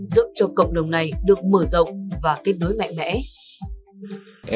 giúp cho cộng đồng này được mở rộng và kết nối mạnh mẽ